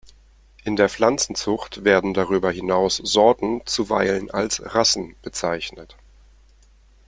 In der Pflanzenzucht werden darüber hinaus Sorten zuweilen als Rassen bezeichnet.